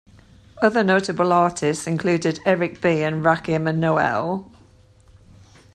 Other notable artists included Eric B and Rakim and Noel.